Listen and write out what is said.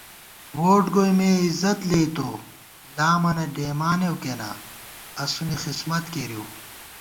ووٹ گوئی مےعِزت لېئیتوؤ لامَنہ ڈېئیمانېؤ کینا، اسُونی خسمت کېرِؤ